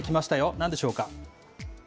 なんでしょうか。